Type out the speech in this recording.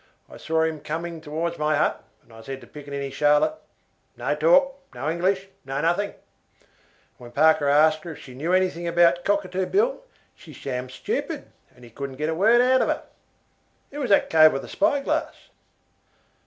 I saw him coming towards my hut, and I said to piccaninny Charlotte, 'No talk, no English, no nothing;' and when Parker asked her if she knew anything about Cockatoo Bill she shammed stupid, and he couldn't get a word out of her. Who is that cove with the spyglass?"